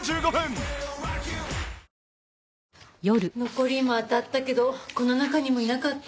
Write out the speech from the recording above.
残りもあたったけどこの中にもいなかった。